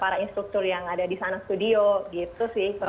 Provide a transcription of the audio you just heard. sama struktur yang ada di sana studio gitu sih